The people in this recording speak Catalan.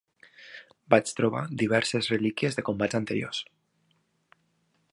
Vaig trobar diverses relíquies de combats anteriors